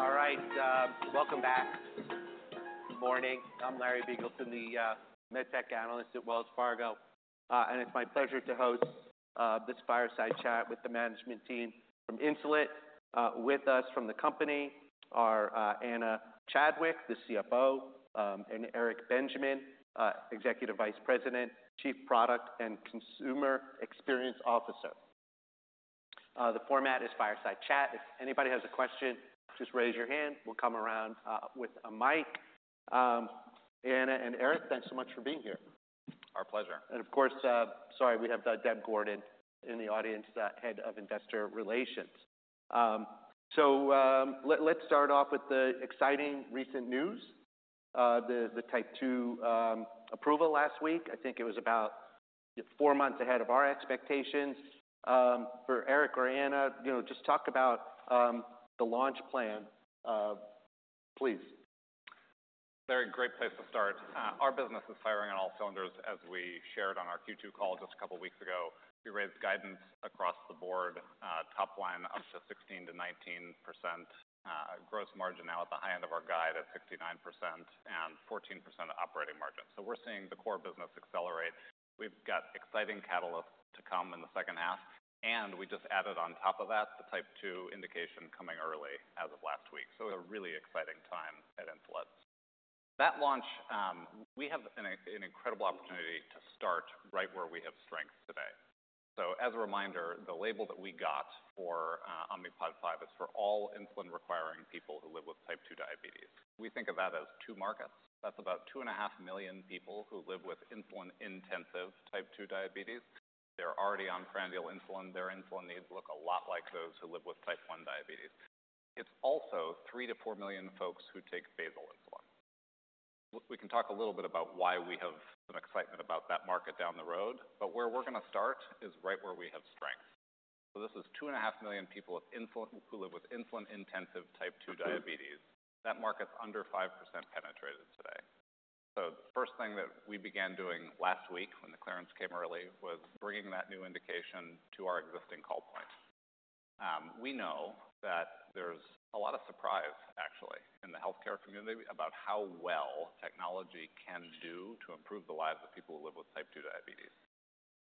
All right, welcome back. Good morning. I'm Larry Biegelsen, the med tech analyst at Wells Fargo, and it's my pleasure to host this fireside chat with the management team from Insulet. With us from the company are Ana Chadwick, the CFO, and Eric Benjamin, Executive Vice President, Chief Product and Consumer Experience Officer. The format is fireside chat. If anybody has a question, just raise your hand. We'll come around with a mic. Ana and Eric, thanks so much for being here. Our pleasure. Of course, we have Deb Gordon in the audience, the Head of Investor Relations. So, let's start off with the exciting recent news, the type two approval last week. I think it was about four months ahead of our expectations. For Eric or Ana, you know, just talk about the launch plan, please. Very great place to start. Our business is firing on all cylinders, as we shared on our Q2 call just a couple of weeks ago. We raised guidance across the board, top line up to 16%-19%, gross margin now at the high end of our guide at 69%, and 14% operating margin. So we're seeing the core business accelerate. We've got exciting catalysts to come in the second half, and we just added on top of that, the Type 2 indication coming early as of last week. So a really exciting time at Insulet. That launch, we have an incredible opportunity to start right where we have strength today. So as a reminder, the label that we got for Omnipod 5 is for all insulin-requiring people who live with Type 2 diabetes. We think of that as two markets. That's about two and a half million people who live with insulin-intensive Type 2 diabetes. They're already on basal-bolus insulin. Their insulin needs look a lot like those who live with Type 1 diabetes. It's also three to four million folks who take basal insulin. We can talk a little bit about why we have some excitement about that market down the road, but where we're going to start is right where we have strength. So this is two and a half million people with insulin, who live with insulin-intensive Type 2 diabetes. That market's under 5% penetrated today. So the first thing that we began doing last week when the clearance came early, was bringing that new indication to our existing call point. We know that there's a lot of surprise, actually, in the healthcare community about how well technology can do to improve the lives of people who live with Type 2 diabetes.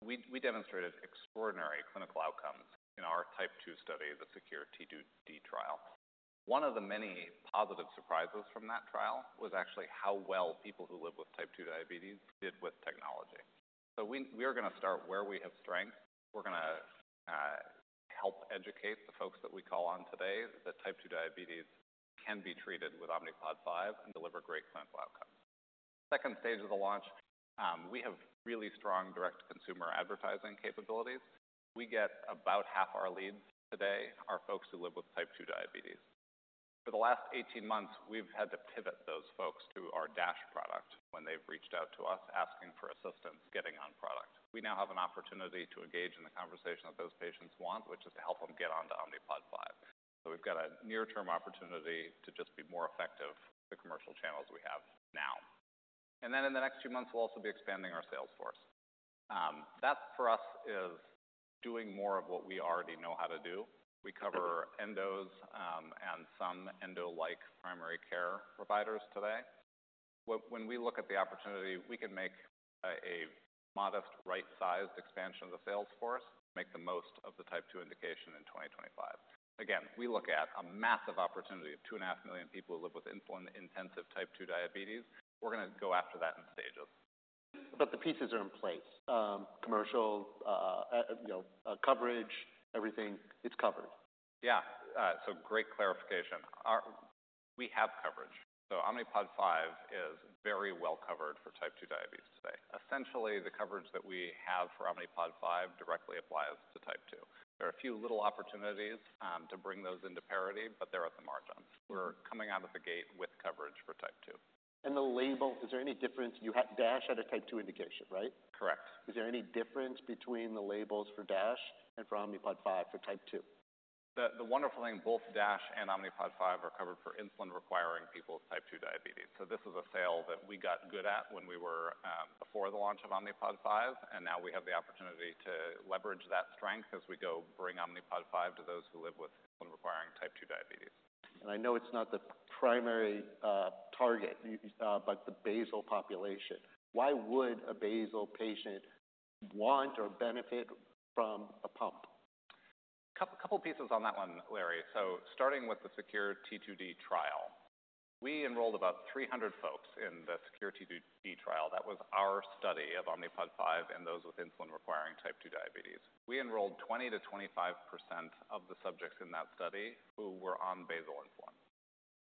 We demonstrated extraordinary clinical outcomes in our Type 2 study, the SECURE-T2D trial. One of the many positive surprises from that trial was actually how well people who live with Type 2 diabetes did with technology. So we are going to start where we have strength. We're going to help educate the folks that we call on today that Type 2 diabetes can be treated with Omnipod 5 and deliver great clinical outcomes. Second stage of the launch, we have really strong direct consumer advertising capabilities. We get about half our leads today, are folks who live with Type 2 diabetes. For the last eighteen months, we've had to pivot those folks to our DASH product when they've reached out to us asking for assistance getting on product. We now have an opportunity to engage in the conversation that those patients want, which is to help them get onto Omnipod 5. So we've got a near-term opportunity to just be more effective, the commercial channels we have now. And then in the next few months, we'll also be expanding our sales force. That for us is doing more of what we already know how to do. We cover endos, and some endo-like primary care providers today. When we look at the opportunity, we can make a modest, right-sized expansion of the sales force to make the most of the Type 2 indication in 2025. Again, we look at a massive opportunity of 2.5 million people who live with insulin-intensive Type 2 diabetes. We're going to go after that in stages. But the pieces are in place, commercial, you know, coverage, everything is covered? Yeah. So great clarification. Our... We have coverage. So Omnipod 5 is very well covered for Type 2 diabetes today. Essentially, the coverage that we have for Omnipod 5 directly applies to Type 2. There are a few little opportunities to bring those into parity, but they're at the margins. We're coming out of the gate with coverage for Type 2. And the label, is there any difference? DASH had a Type 2 indication, right? Correct. Is there any difference between the labels for DASH and for Omnipod 5 for type two? The wonderful thing, both DASH and Omnipod 5 are covered for insulin-requiring people with type 2 diabetes. So this is a sale that we got good at when we were before the launch of Omnipod 5, and now we have the opportunity to leverage that strength as we go bring Omnipod 5 to those who live with insulin-requiring type 2 diabetes. I know it's not the primary target, but the basal population. Why would a basal patient want or benefit from a pump? Couple pieces on that one, Larry. So starting with the SECURE-T2D trial, we enrolled about three hundred folks in the SECURE-T2D trial. That was our study of Omnipod 5 and those with insulin-requiring Type 2 diabetes. We enrolled 20%-25% of the subjects in that study who were on basal insulin.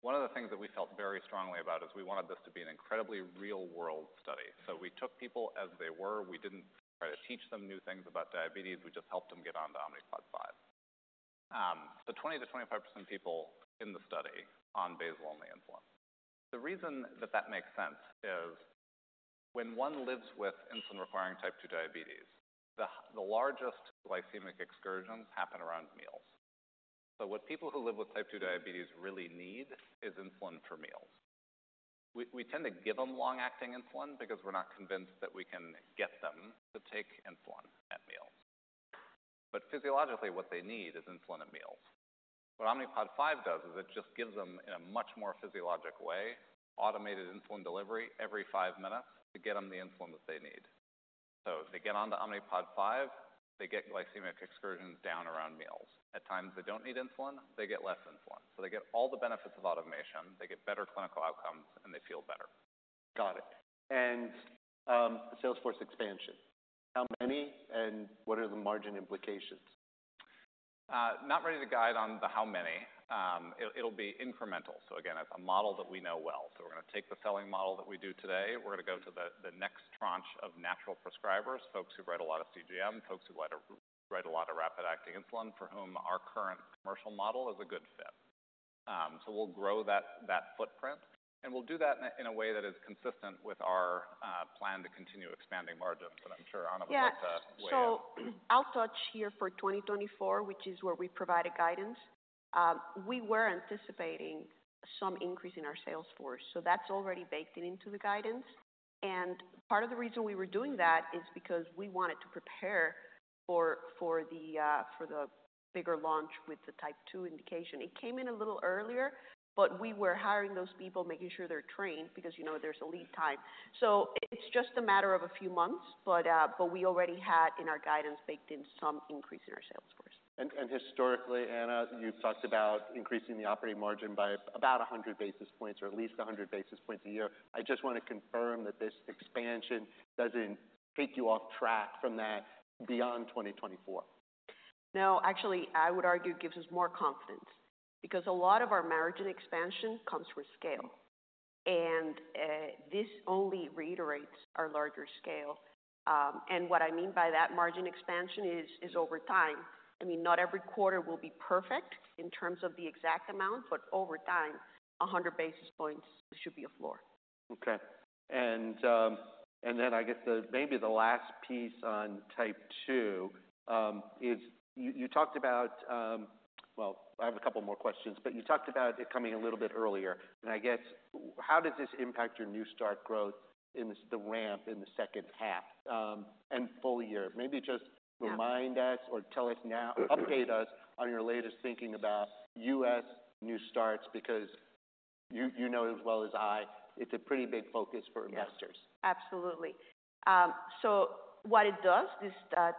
One of the things that we felt very strongly about is we wanted this to be an incredibly real-world study. So we took people as they were. We didn't try to teach them new things about diabetes, we just helped them get on to Omnipod 5. The 20%-25% people in the study on basal-only insulin. The reason that that makes sense is when one lives with insulin-requiring Type 2 diabetes, the largest glycemic excursions happen around meals. So what people who live with Type 2 diabetes really need is insulin for meals. We tend to give them long-acting insulin because we're not convinced that we can get them to take insulin at meals, but physiologically, what they need is insulin at meals. What Omnipod 5 does is it just gives them, in a much more physiological way, automated insulin delivery every five minutes to get them the insulin that they need. So if they get on the Omnipod 5, they get glycemic excursions down around meals. At times they don't need insulin, they get less insulin. So they get all the benefits of automation, they get better clinical outcomes, and they feel better. Got it. And, sales force expansion, how many and what are the margin implications? Not ready to guide on the how many. It'll be incremental. So again, it's a model that we know well. So we're going to take the selling model that we do today. We're going to go to the next tranche of natural prescribers, folks who write a lot of CGM, folks who write a lot of rapid-acting insulin, for whom our current commercial model is a good fit. So we'll grow that footprint, and we'll do that in a way that is consistent with our plan to continue expanding margins. But I'm sure Ana would like to weigh in. Yeah, so I'll touch here for 2024, which is where we provided guidance. We were anticipating some increase in our sales force, so that's already baked into the guidance. And part of the reason we were doing that is because we wanted to prepare for the bigger launch with the type two indication. It came in a little earlier, but we were hiring those people, making sure they're trained, because, you know, there's a lead time. So it's just a matter of a few months, but we already had in our guidance, baked in some increase in our sales force. Historically, Ana, you've talked about increasing the operating margin by about a hundred basis points, or at least a hundred basis points a year. I just want to confirm that this expansion doesn't take you off track from that beyond twenty twenty-four. No, actually, I would argue it gives us more confidence because a lot of our margin expansion comes with scale, and this only reiterates our larger scale. And what I mean by that margin expansion is over time. I mean, not every quarter will be perfect in terms of the exact amount, but over time, a hundred basis points should be a floor. Okay. And then I guess maybe the last piece on Type 2. Well, I have a couple more questions, but you talked about it coming a little bit earlier, and I guess how does this impact your new start growth in the ramp in the second half and full year? Maybe just- Yeah. Remind us or tell us now, update us on your latest thinking about U.S. new starts, because you, you know it as well as I, it's a pretty big focus for investors. Yeah, absolutely. So what it does, this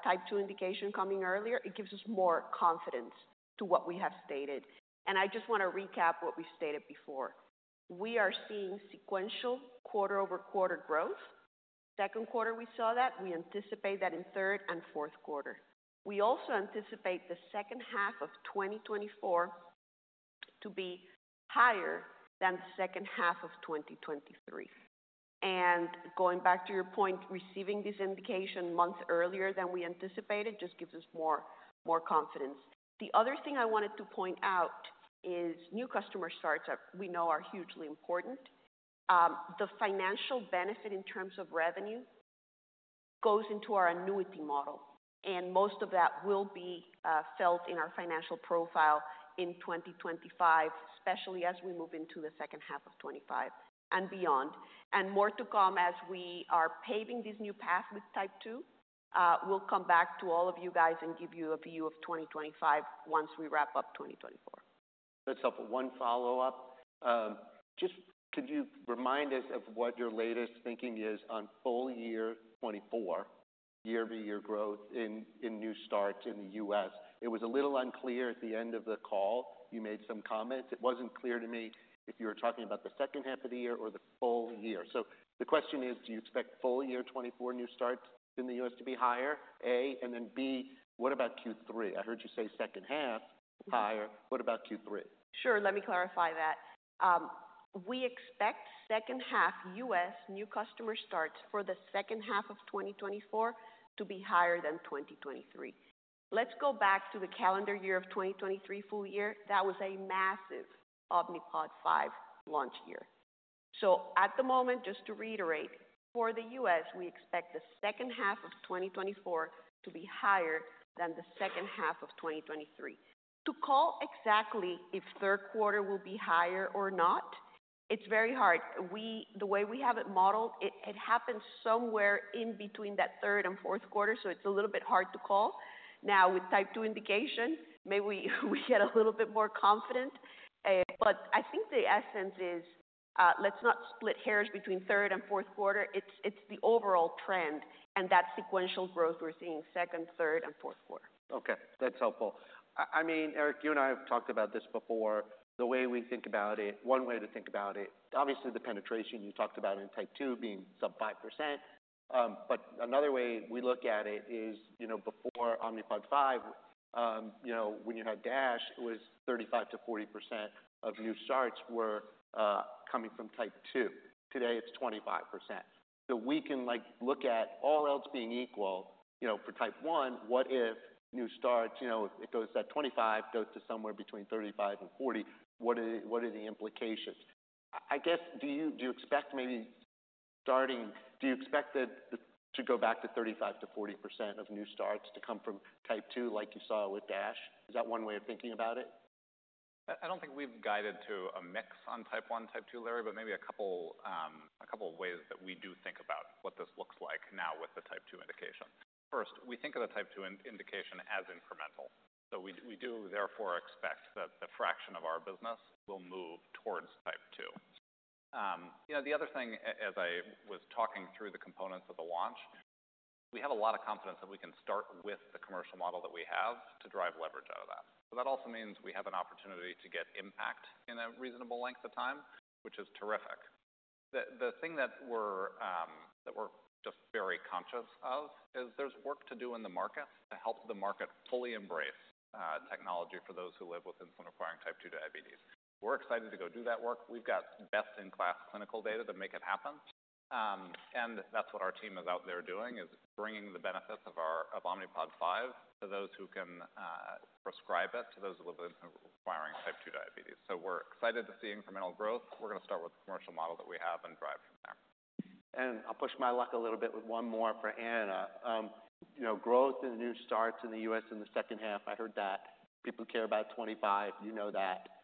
Type 2 indication coming earlier, it gives us more confidence to what we have stated, and I just want to recap what we stated before. We are seeing sequential quarter over quarter growth. Second quarter, we saw that. We anticipate that in third and fourth quarter. We also anticipate the second half of 2024 to be higher than the second half of 2023, and going back to your point, receiving this indication months earlier than we anticipated, just gives us more confidence. The other thing I wanted to point out is new customer starts are, we know, hugely important. The financial benefit in terms of revenue goes into our annuity model, and most of that will be felt in our financial profile in 2025, especially as we move into the second half of 2025 and beyond. And more to come as we are paving this new path with Type 2. We'll come back to all of you guys and give you a view of 2025 once we wrap up 2024. That's helpful. One follow-up. Just could you remind us of what your latest thinking is on full year 2024, year-over-year growth in new starts in the U.S.? It was a little unclear at the end of the call. You made some comments. It wasn't clear to me if you were talking about the second half of the year or the full year. So the question is: Do you expect full year 2024 new starts in the U.S. to be higher, A? And then B, what about Q3? I heard you say second half higher. What about Q3? Sure, let me clarify that. We expect second half U.S. new customer starts for the second half of 2024 to be higher than 2023. Let's go back to the calendar year of 2023 full year. That was a massive Omnipod 5 launch year. So at the moment, just to reiterate, for the U.S., we expect the second half of 2024 to be higher than the second half of 2023. To call exactly if third quarter will be higher or not, it's very hard. The way we have it modeled, it happens somewhere in between that third and fourth quarter, so it's a little bit hard to call. Now, with Type 2 indication, maybe we get a little bit more confident, but I think the essence is, let's not split hairs between third and fourth quarter. It's the overall trend and that sequential growth we're seeing second, third and fourth quarter. Okay, that's helpful. I mean, Eric, you and I have talked about this before, the way we think about it, one way to think about it, obviously the penetration you talked about in Type 2 being sub 5%. But another way we look at it is, you know, before Omnipod 5, you know, when you had DASH, it was 35%-40% of new starts were coming from Type 2. Today, it's 25%. So we can, like, look at all else being equal, you know, for Type 1, what if new starts, you know, it goes to 25%, goes to somewhere between 35%-40%. What are the implications? I guess, do you expect maybe starting— Do you expect it to go back to 35%-40% of new starts to come from type two, like you saw with Dash? Is that one way of thinking about it? ... I don't think we've guided to a mix on Type 1, Type 2, Larry, but maybe a couple of ways that we do think about what this looks like now with the Type 2 indication. First, we think of the Type 2 indication as incremental, so we do therefore expect that the fraction of our business will move towards Type 2. You know, the other thing as I was talking through the components of the launch, we have a lot of confidence that we can start with the commercial model that we have to drive leverage out of that. So that also means we have an opportunity to get impact in a reasonable length of time, which is terrific. The thing that we're just very conscious of is there's work to do in the market to help the market fully embrace technology for those who live with insulin requiring Type 2 diabetes. We're excited to go do that work. We've got best-in-class clinical data to make it happen, and that's what our team is out there doing, is bringing the benefits of our Omnipod 5 to those who can prescribe it, to those with insulin requiring Type 2 diabetes, so we're excited to see incremental growth. We're going to start with the commercial model that we have and drive from there. And I'll push my luck a little bit with one more for Ana. You know, growth in new starts in the U.S. in the second half, I heard that. People care about 2025, you know that. Does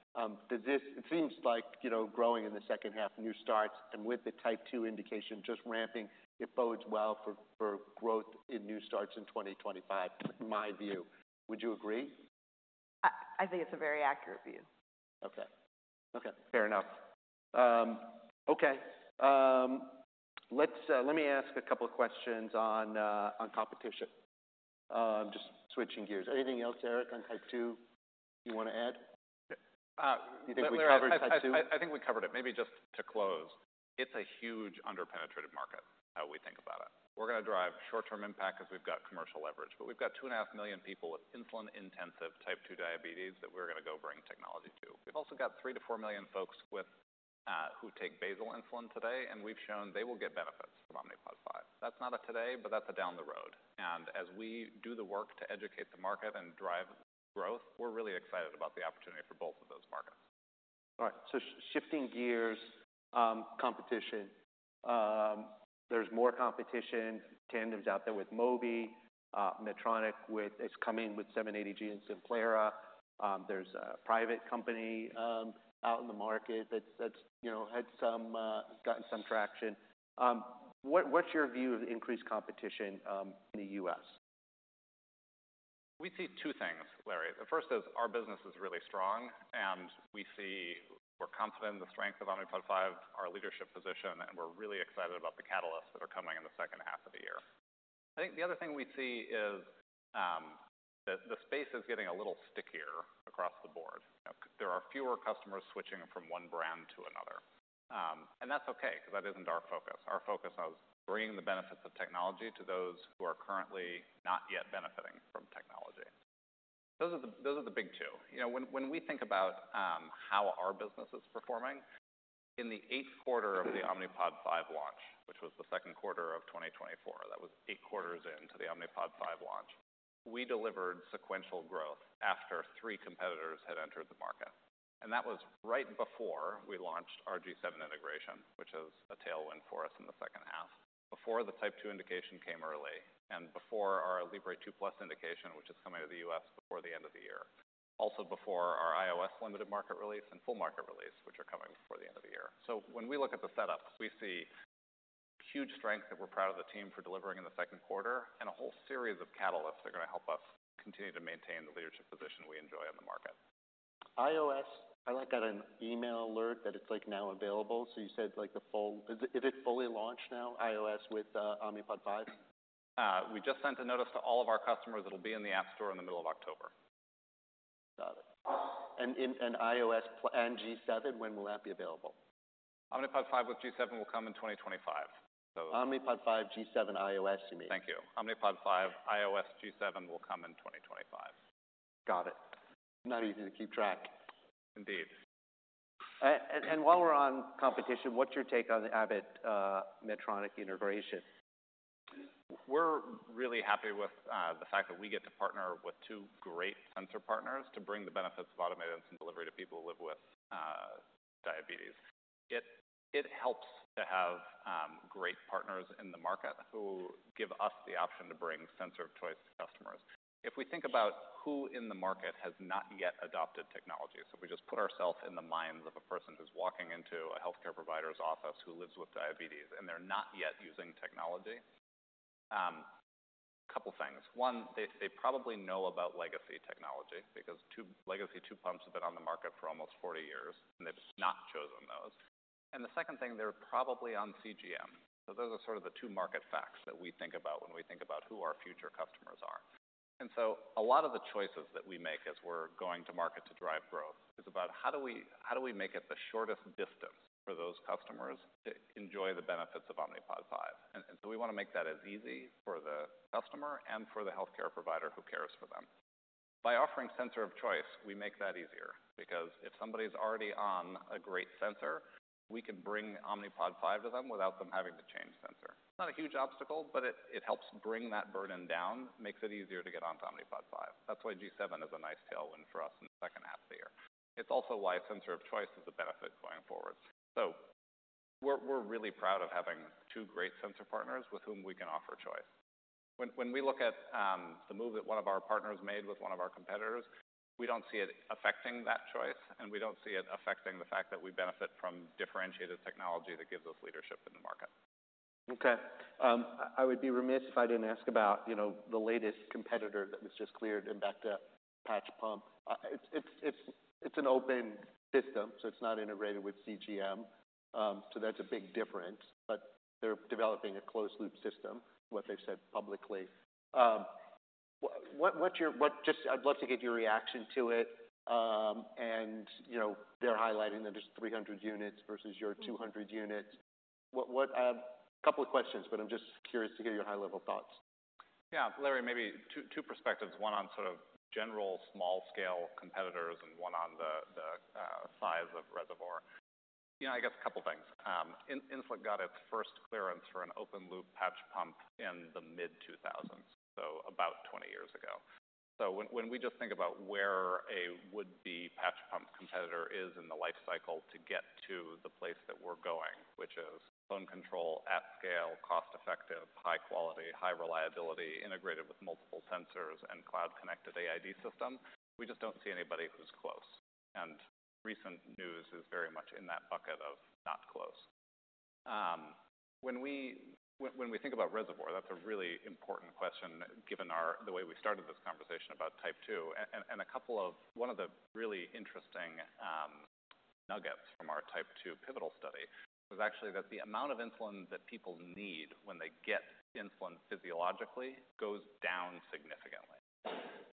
this—it seems like, you know, growing in the second half, new starts and with the Type 2 indication, just ramping, it bodes well for growth in new starts in 2025, my view. Would you agree? I think it's a very accurate view. Okay. Okay, fair enough. Okay, let's. Let me ask a couple of questions on competition. Just switching gears. Anything else, Eric, on Type 2 you want to add? You think we covered Type 2? I think we covered it. Maybe just to close, it's a huge underpenetrated market, how we think about it. We're going to drive short-term impact because we've got commercial leverage, but we've got two and a half million people with insulin-intensive Type 2 diabetes that we're going to go bring technology to. We've also got three to four million folks with who take basal insulin today, and we've shown they will get benefits from Omnipod 5. That's not a today, but that's a down the road. And as we do the work to educate the market and drive growth, we're really excited about the opportunity for both of those markets. All right, so shifting gears, competition. There's more competition. Tandem's out there with Mobi, Medtronic. It's coming with 780G and Simplera. There's a private company out in the market that's, you know, had gotten some traction. What's your view of the increased competition in the U.S.? We see two things, Larry. The first is our business is really strong, and we see we're confident in the strength of Omnipod 5, our leadership position, and we're really excited about the catalysts that are coming in the second half of the year. I think the other thing we see is that the space is getting a little stickier across the board. There are fewer customers switching from one brand to another, and that's okay, because that isn't our focus. Our focus is bringing the benefits of technology to those who are currently not yet benefiting from technology. Those are the big two. You know, when we think about how our business is performing, in the eighth quarter of the Omnipod 5 launch, which was the second quarter of 2024, that was eight quarters into the Omnipod 5 launch, we delivered sequential growth after three competitors had entered the market, and that was right before we launched our G7 integration, which is a tailwind for us in the second half, before the Type 2 indication came early, and before our Libre 2+ indication, which is coming to the US before the end of the year, also before our iOS limited market release and full market release, which are coming before the end of the year. So when we look at the setup, we see huge strength that we're proud of the team for delivering in the second quarter, and a whole series of catalysts that are going to help us continue to maintain the leadership position we enjoy in the market. iOS. I, like, got an email alert that it's, like, now available. So you said, like, the full... Is it, is it fully launched now, iOS with Omnipod 5? We just sent a notice to all of our customers. It'll be in the App Store in the middle of October. Got it. And iOS and G7, when will that be available? Omnipod 5 with G7 will come in 2025. So- Omnipod 5 G7 iOS, you mean? Thank you. Omnipod 5, iOS G7 will come in 2025. Got it. Not easy to keep track. Indeed. While we're on competition, what's your take on the Abbott Medtronic integration? We're really happy with the fact that we get to partner with two great sensor partners to bring the benefits of automated insulin delivery to people who live with diabetes. It helps to have great partners in the market who give us the option to bring sensor of choice to customers. If we think about who in the market has not yet adopted technology, so if we just put ourselves in the minds of a person who's walking into a healthcare provider's office, who lives with diabetes, and they're not yet using technology, a couple things. One, they probably know about legacy technology because, too, legacy tubed pumps have been on the market for almost 40 years, and they've not chosen those. And the second thing, they're probably on CGM. Those are sort of the two market facts that we think about when we think about who our future customers are. A lot of the choices that we make as we're going to market to drive growth is about how we make it the shortest distance for those customers to enjoy the benefits of Omnipod 5? So we want to make that as easy for the customer and for the healthcare provider who cares for them. By offering sensor of choice, we make that easier because if somebody's already on a great sensor, we can bring Omnipod 5 to them without them having to change sensor. Not a huge obstacle, but it helps bring that burden down, makes it easier to get onto Omnipod 5. That's why G7 is a nice tailwind for us in the second half of the year. It's also why sensor of choice is a benefit going forward. We're really proud of having two great sensor partners with whom we can offer choice. When we look at the move that one of our partners made with one of our competitors, we don't see it affecting that choice, and we don't see it affecting the fact that we benefit from differentiated technology that gives us leadership in the market. Okay. I would be remiss if I didn't ask about, you know, the latest competitor that was just cleared in Beta patch pump. It's an open system, so it's not integrated with CGM, so that's a big difference. But they're developing a closed loop system, what they've said publicly. What's your--what-- Just I'd love to get your reaction to it. And, you know, they're highlighting that there's 300 units versus your 200 units. What... A couple of questions, but I'm just curious to get your high-level thoughts. Yeah, Larry, maybe two perspectives, one on sort of general small-scale competitors and one on the size of reservoir. You know, I guess a couple things. Insulet got its first clearance for an open loop patch pump in the mid-2000s, so about twenty years ago. So when we just think about where a would-be patch pump competitor is in the life cycle to get to the place that we're going, which is phone control at scale, cost-effective, high quality, high reliability, integrated with multiple sensors and cloud-connected AID system, we just don't see anybody who's close. And recent news is very much in that bucket of not close. When we think about reservoir, that's a really important question, given the way we started this conversation about type two. One of the really interesting nuggets from our Type 2 pivotal study was actually that the amount of insulin that people need when they get insulin physiologically goes down significantly.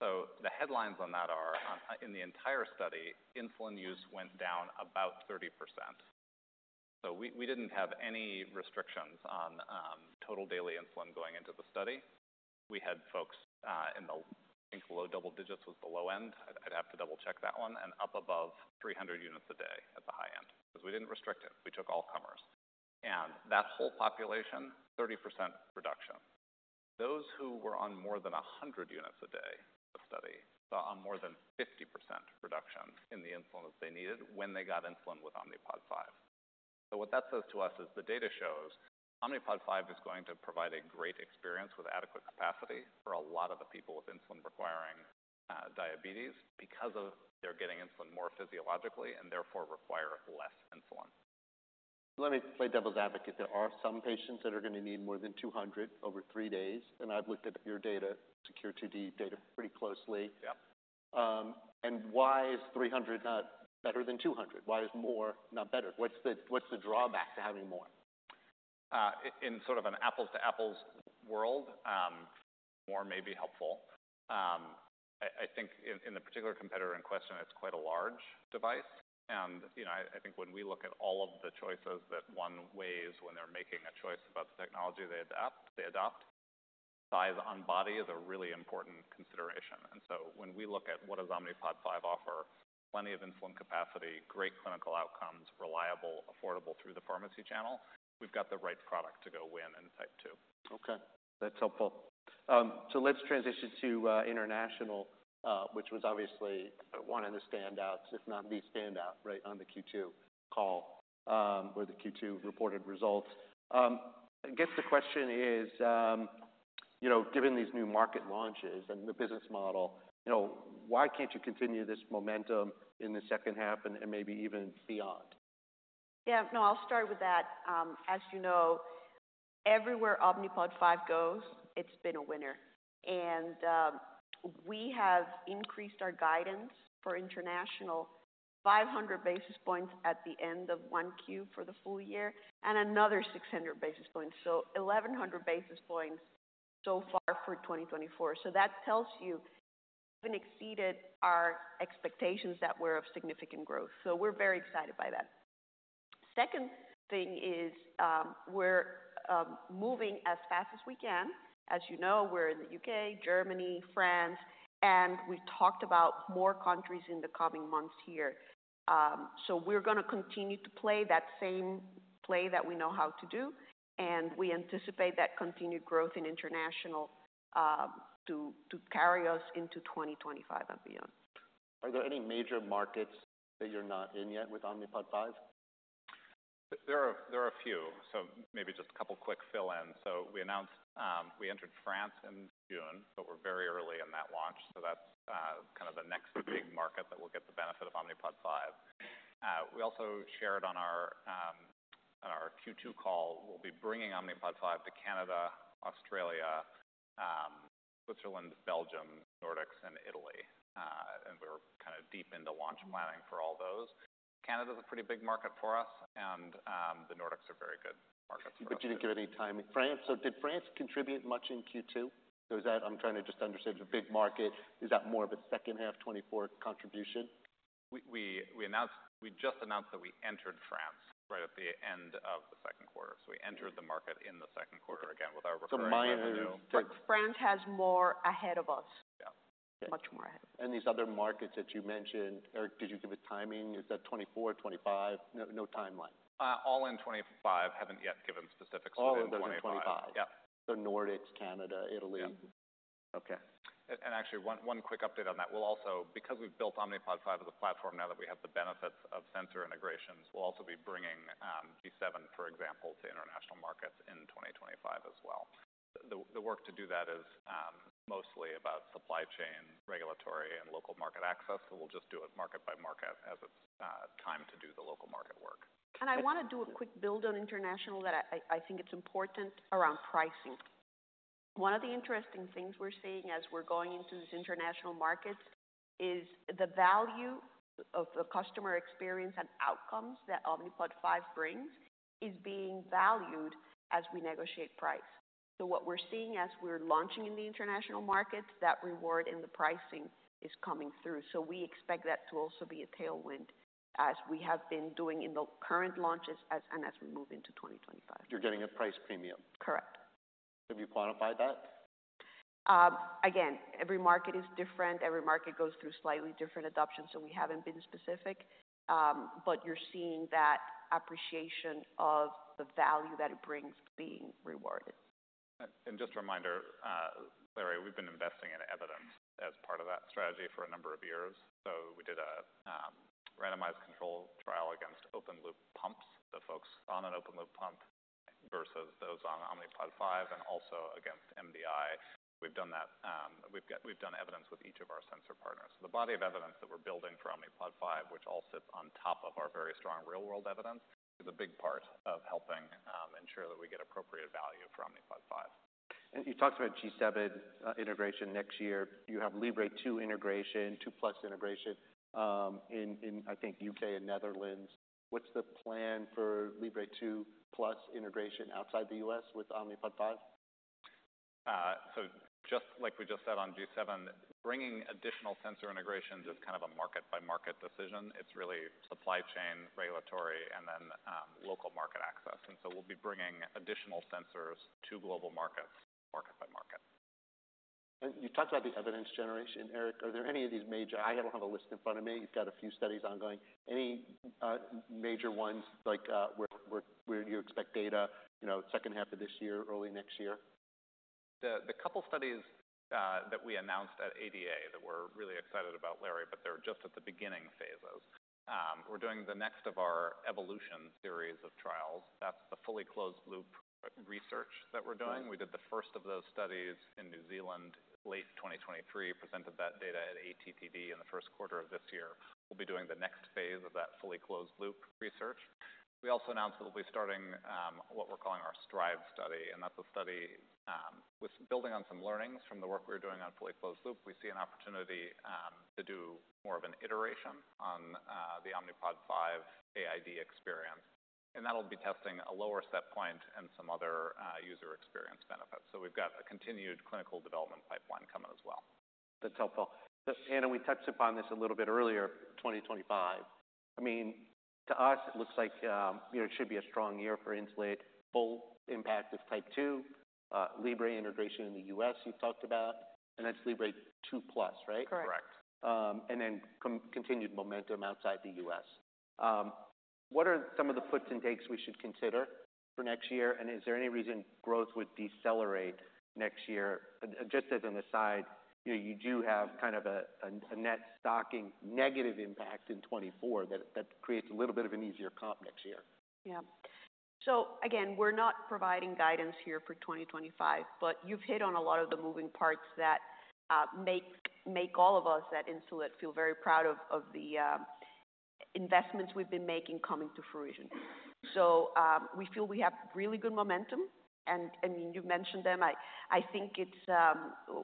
So the headlines on that are, in the entire study, insulin use went down about 30%. So we didn't have any restrictions on total daily insulin going into the study. We had folks in the, I think, low double digits was the low end. I'd have to double-check that one, and up above 300 units a day at the high end, 'cause we didn't restrict it. We took all comers, and that whole population 30% reduction. Those who were on more than 100 units a day of study saw more than 50% reduction in the insulin that they needed when they got insulin with Omnipod 5. So what that says to us is the data shows Omnipod 5 is going to provide a great experience with adequate capacity for a lot of the people with insulin-requiring diabetes because they're getting insulin more physiologically and therefore require less insulin. Let me play devil's advocate. There are some patients that are going to need more than 200 over three days, and I've looked at your data, SECURE-T2D data, pretty closely. Yeah. And why is three hundred not better than two hundred? Why is more not better? What's the drawback to having more? In sort of an apples-to-apples world, more may be helpful. I think in the particular competitor in question, it's quite a large device. You know, I think when we look at all of the choices that one weighs, when they're making a choice about the technology they adapt, they adopt, size on body is a really important consideration. So when we look at what does Omnipod 5 offer? Plenty of insulin capacity, great clinical outcomes, reliable, affordable through the pharmacy channel. We've got the right product to go win in type two. Okay, that's helpful. So let's transition to international, which was obviously one of the standouts, if not the standout, right, on the Q2 call, or the Q2 reported results. I guess the question is, you know, given these new market launches and the business model, you know, why can't you continue this momentum in the second half and maybe even beyond? Yeah. No, I'll start with that. As you know, everywhere Omnipod 5 goes, it's been a winner. And we have increased our guidance for international 500 basis points at the end of 1Q for the full year, and another 600 basis points. So 1,100 basis points so far for 2024. So that tells you even exceeded our expectations that were of significant growth, so we're very excited by that. Second thing is, we're moving as fast as we can. As you know, we're in the U.K., Germany, France, and we talked about more countries in the coming months here. So we're going to continue to play that same play that we know how to do, and we anticipate that continued growth in international to carry us into 2025 and beyond. Are there any major markets that you're not in yet with Omnipod 5? There are a few, so maybe just a couple quick fill-ins. So we announced we entered France in June, but we're very early in that launch, so that's kind of the next big market that will get the benefit of Omnipod 5. We also shared on our on our Q2 call, we'll be bringing Omnipod 5 to Canada, Australia, Switzerland, Belgium, Nordics, and Italy, and we're kind of deep into launch planning for all those. Canada is a pretty big market for us, and the Nordics are very good markets. But you didn't give any timing. France, so did France contribute much in Q2? So is that... I'm trying to just understand, the big market, is that more of a second half 2024 contribution? We just announced that we entered France right at the end of the second quarter. So we entered the market in the second quarter, again, with our referring- So my- France has more ahead of us. Yeah. Much more ahead. And these other markets that you mentioned, Eric, did you give a timing? Is that 2024, 2025? No, no timeline. All in 2025. Haven't yet given specifics- All in 2025. Yeah. The Nordics, Canada, Italy. Yeah.... Okay. Actually, one quick update on that. We'll also, because we've built Omnipod 5 as a platform, now that we have the benefits of sensor integrations, we'll also be bringing G7, for example, to international markets in 2025 as well. The work to do that is mostly about supply chain, regulatory, and local market access, so we'll just do it market by market as it's time to do the local market work. I want to do a quick build on international that I think it's important around pricing. One of the interesting things we're seeing as we're going into these international markets is the value of the customer experience and outcomes that Omnipod 5 brings is being valued as we negotiate price. So what we're seeing as we're launching in the international markets, that reward in the pricing is coming through. So we expect that to also be a tailwind, as we have been doing in the current launches and as we move into 2025. You're getting a price premium? Correct. Have you quantified that? Again, every market is different. Every market goes through slightly different adoption, so we haven't been specific, but you're seeing that appreciation of the value that it brings being rewarded. And just a reminder, Larry, we've been investing in evidence as part of that strategy for a number of years. So we did a randomized controlled trial against open loop pumps. The folks on an open loop pump versus those on Omnipod 5 and also against MDI. We've done that. We've done evidence with each of our sensor partners. The body of evidence that we're building for Omnipod 5, which all sits on top of our very strong real-world evidence, is a big part of helping ensure that we get appropriate value for Omnipod 5. You talked about G7 integration next year. You have Libre 2 integration, 2 Plus integration in I think U.K. and Netherlands. What's the plan for Libre 2 Plus integration outside the U.S. with Omnipod 5? So just like we just said on G7, bringing additional sensor integrations is kind of a market-by-market decision. It's really supply chain, regulatory, and then, local market access, and so we'll be bringing additional sensors to global markets, market by market. You talked about the evidence generation, Eric. Are there any of these major... I don't have a list in front of me. You've got a few studies ongoing. Any major ones like where you expect data, you know, second half of this year, early next year? The couple studies that we announced at ADA that we're really excited about, Larry, but they're just at the beginning phases. We're doing the next of our evolution series of trials. That's the fully closed-loop research that we're doing. Sure. We did the first of those studies in New Zealand late 2023, presented that data at ATTD in the first quarter of this year. We'll be doing the next phase of that fully closed-loop research. We also announced that we'll be starting what we're calling our STRIVE study, and that's a study with building on some learnings from the work we're doing on fully closed loop. We see an opportunity to do more of an iteration on the Omnipod 5 AID experience, and that'll be testing a lower set point and some other user experience benefits. So we've got a continued clinical development pipeline coming as well. That's helpful. Ana, we touched upon this a little bit earlier, 2025. I mean, to us, it looks like, you know, it should be a strong year for Insulet. Full impact of type two, Libre integration in the U.S., you talked about, and that's Libre 2 Plus, right? Correct. Correct. And then continued momentum outside the U.S. What are some of the puts and takes we should consider for next year, and is there any reason growth would decelerate next year? Just as an aside, you know, you do have kind of a net stocking negative impact in 2024. That creates a little bit of an easier comp next year. Yeah. So again, we're not providing guidance here for 2025, but you've hit on a lot of the moving parts that make all of us at Insulet feel very proud of the investments we've been making coming to fruition. So we feel we have really good momentum, and I mean, you've mentioned them. I think it's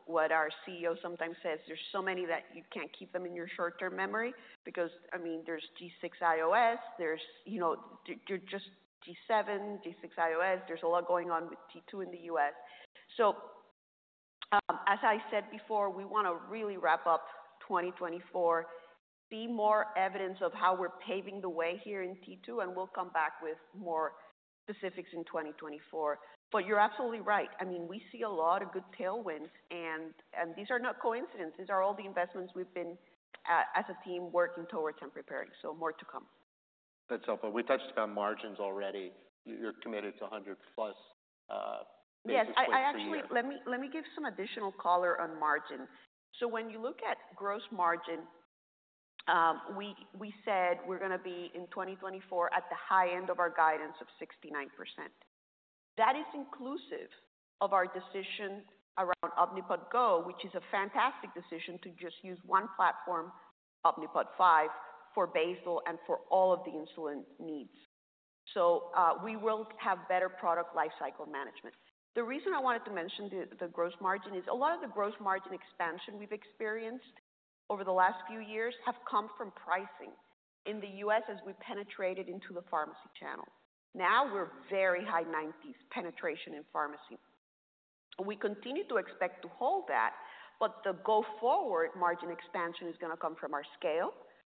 what our CEO sometimes says: "There's so many that you can't keep them in your short-term memory," because I mean, there's G6 iOS, there's you know, just G7, G6 iOS. There's a lot going on with T2 in the US. So as I said before, we want to really wrap up 2024, see more evidence of how we're paving the way here in T2, and we'll come back with more specifics in 2024. But you're absolutely right. I mean, we see a lot of good tailwinds, and these are not coincidences. These are all the investments we've been, as a team, working towards and preparing, so more to come. That's helpful. We touched on margins already. You're committed to a hundred plus, insulin- Yes, I actually. Let me give some additional color on margin. So when you look at gross margin, we said we're going to be, in 2024, at the high end of our guidance of 69%. That is inclusive of our decision around Omnipod Go, which is a fantastic decision to just use one platform, Omnipod 5, for basal and for all of the insulin needs. So, we will have better product lifecycle management. The reason I wanted to mention the gross margin is a lot of the gross margin expansion we've experienced over the last few years have come from pricing in the U.S. as we penetrated into the pharmacy channel. Now we're very high nineties penetration in pharmacy. We continue to expect to hold that, but the go-forward margin expansion is going to come from our scale.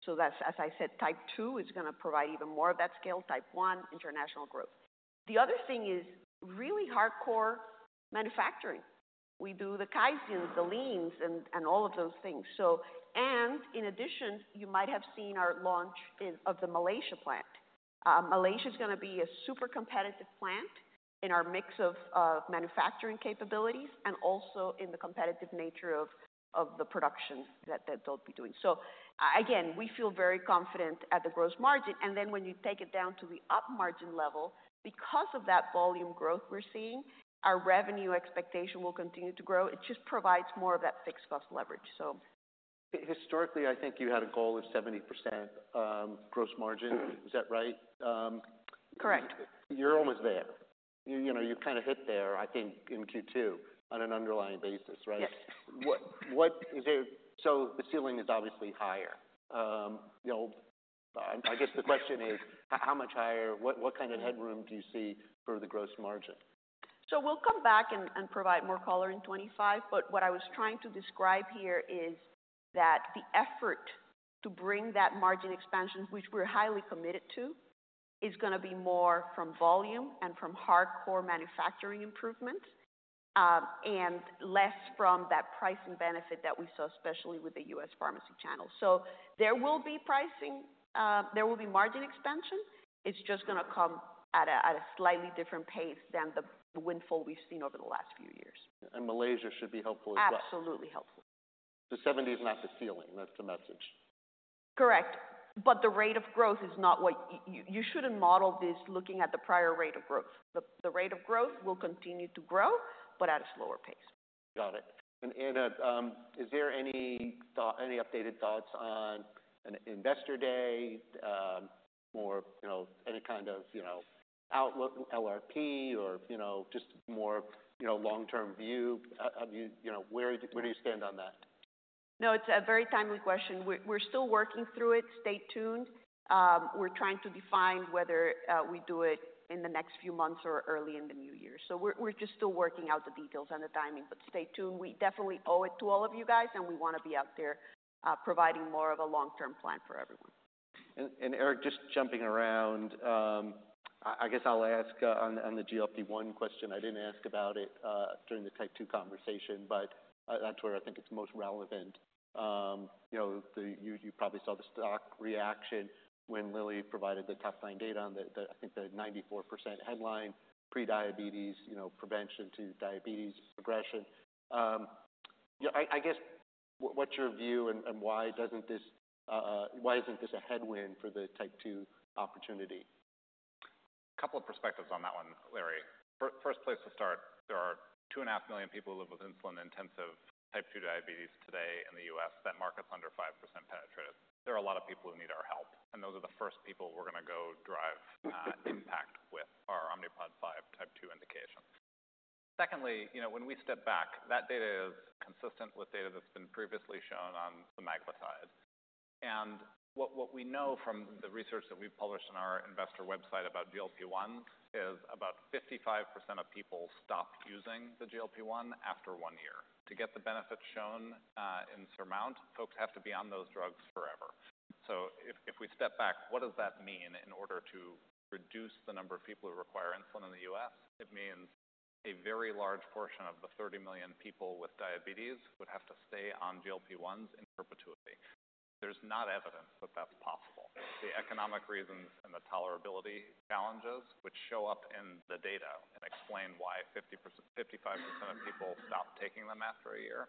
So that's, as I said, type two is going to provide even more of that scale, type one, international growth. The other thing is really hardcore manufacturing. We do the Kaizens, and all of those things. So, and in addition, you might have seen our launch in, of the Malaysia plant. Malaysia is going to be a super competitive plant in our mix of manufacturing capabilities and also in the competitive nature of the production that they'll be doing. So again, we feel very confident at the gross margin, and then when you take it down to the operating margin level, because of that volume growth we're seeing, our revenue expectation will continue to grow. It just provides more of that fixed cost leverage, so. Historically, I think you had a goal of 70% gross margin. Is that right? Correct. You're almost there. You know, you kind of hit there, I think, in Q2 on an underlying basis, right? Yes. What is it, so the ceiling is obviously higher. You know, I guess the question is, how much higher? What kind of headroom do you see for the gross margin? So we'll come back and provide more color in 2025, but what I was trying to describe here is that the effort to bring that margin expansion, which we're highly committed to, is going to be more from volume and from hardcore manufacturing improvements, and less from that pricing benefit that we saw, especially with the U.S. pharmacy channel. So there will be pricing. There will be margin expansion. It's just going to come at a slightly different pace than the windfall we've seen over the last few years. Malaysia should be helpful as well. Absolutely helpful. The seventy is not the ceiling, that's the message? Correct. But the rate of growth is not what you shouldn't model this, looking at the prior rate of growth. The rate of growth will continue to grow, but at a slower pace. Got it. And, Ana, is there any thought, any updated thoughts on an investor day, or, you know, any kind of, you know, outlook, LRP or, you know, just more, you know, long-term view? Have you, you know, where do you stand on that? No, it's a very timely question. We're still working through it. Stay tuned. We're trying to define whether we do it in the next few months or early in the new year. So we're just still working out the details and the timing, but stay tuned. We definitely owe it to all of you guys, and we want to be out there providing more of a long-term plan for everyone. Eric, just jumping around, I guess I'll ask on the GLP-1 question. I didn't ask about it during the type two conversation, but that's where I think it's most relevant. You know, you probably saw the stock reaction when Lilly provided the top-line data on the, I think the 94% headline, prediabetes, you know, prevention to diabetes progression. Yeah, I guess, what's your view and why doesn't this why isn't this a headwind for the type two opportunity? A couple of perspectives on that one, Larry. First place to start, there are two and a half million people who live with insulin-intensive Type 2 diabetes today in the U.S. That market's under 5% penetrated. There are a lot of people who need our help, and those are the first people we're going to go drive impact with our Omnipod 5 Type 2 indication. Secondly, you know, when we step back, that data is consistent with data that's been previously shown on the Mounjaro side. And what we know from the research that we've published on our investor website about GLP-1 is about 55% of people stop using the GLP-1 after one year. To get the benefits shown in Surmount, folks have to be on those drugs forever. So if we step back, what does that mean in order to reduce the number of people who require insulin in the U.S.? It means a very large portion of the 30 million people with diabetes would have to stay on GLP-1s in perpetuity. There's no evidence that that's possible. The economic reasons and the tolerability challenges, which show up in the data and explain why 50%-55% of people stop taking them after a year,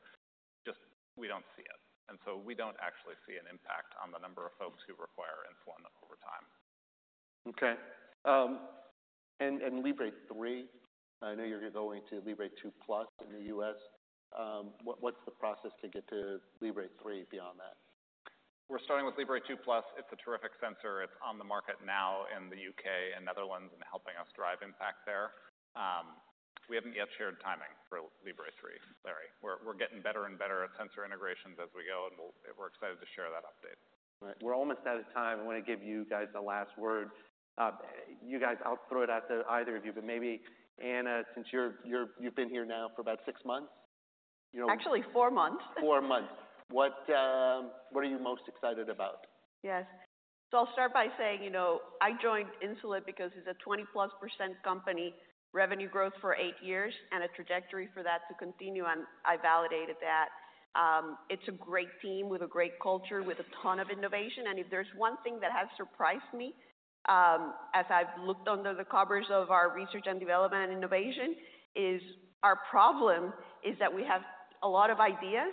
just we don't see it. And so we don't actually see an impact on the number of folks who require insulin over time. Okay. And Libre 3, I know you're going to Libre 2 Plus in the U.S. What is the process to get to Libre 3 beyond that? We're starting with Libre 2 Plus. It's a terrific sensor. It's on the market now in the U.K. and Netherlands, and helping us drive impact there. We haven't yet shared timing for Libre 3, Larry. We're getting better and better at sensor integrations as we go, and we're excited to share that update. We're almost out of time. I want to give you guys the last word. You guys, I'll throw it out to either of you, but maybe Ana, since you've been here now for about six months, you know- Actually, four months. Four months. What are you most excited about? Yes. So I'll start by saying, you know, I joined Insulet because it's a 20%+ company, revenue growth for eight years and a trajectory for that to continue, and I validated that. It's a great team with a great culture, with a ton of innovation. And if there's one thing that has surprised me, as I've looked under the coverage of our research and development and innovation, our problem is that we have a lot of ideas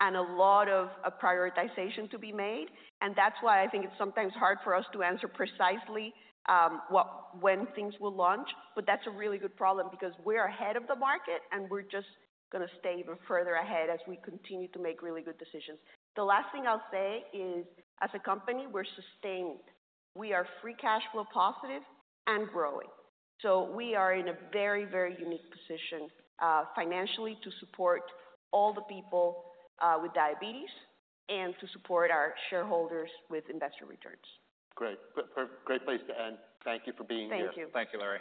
and a lot of prioritization to be made. And that's why I think it's sometimes hard for us to answer precisely, when things will launch. But that's a really good problem because we're ahead of the market, and we're just going to stay even further ahead as we continue to make really good decisions. The last thing I'll say is, as a company, we're sustained. We are free cash flow positive and growing, so we are in a very, very unique position, financially, to support all the people with diabetes and to support our shareholders with investor returns. Great. Great place to end. Thank you for being here. Thank you. Thank you, Larry.